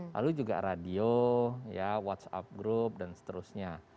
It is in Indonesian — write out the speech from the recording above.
lalu juga radio ya whatsapp group dan seterusnya